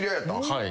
はい。